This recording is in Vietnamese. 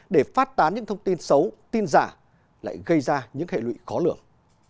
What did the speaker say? để phát tán những thông tin xấu tin giả lại gây ra những hệ lụy khó lường